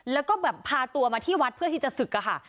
แล้วก็แบบพาตัวมาที่วัดเพื่อที่จะศึกอะค่ะ